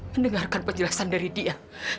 mendengarkan penjelasan dari dia